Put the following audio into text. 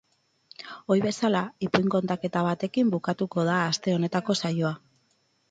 Ohi bezala, ipuin kontaketa batekin bukatuko da aste honetako saioa.